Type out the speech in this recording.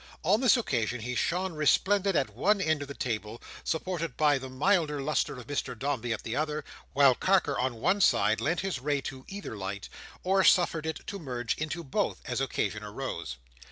On this occasion, he shone resplendent at one end of the table, supported by the milder lustre of Mr Dombey at the other; while Carker on one side lent his ray to either light, or suffered it to merge into both, as occasion arose.